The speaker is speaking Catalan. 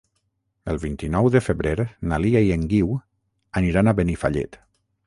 El vint-i-nou de febrer na Lia i en Guiu aniran a Benifallet.